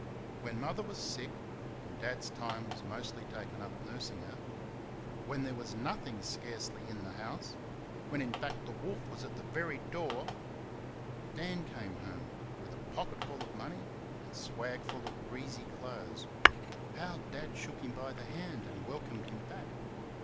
When Mother was sick and Dad's time was mostly taken up nursing her; when there was nothing, scarcely, in the house; when, in fact, the wolf was at the very door; Dan came home with a pocket full of money and swag full of greasy clothes. How Dad shook him by the hand and welcomed him back!